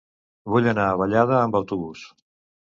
Vull anar a Vallada amb autobús.